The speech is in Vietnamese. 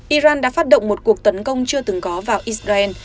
iran đã phát động một cuộc tấn công chưa từng có vào israel